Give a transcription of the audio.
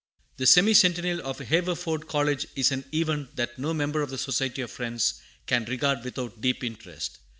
THE Semi Centennial of Haverford College is an event that no member of the Society of Friends can regard without deep interest.